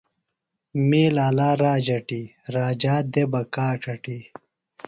می لا لا راج اٹی، راجہ دےۡ بہ کاڇ اٹی